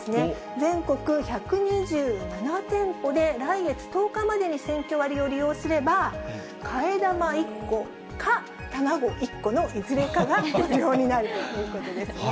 全国１２７店舗で来月１０日までに選挙割を利用すれば、替え玉１個か玉子１個のいずれかが無料になるということですね。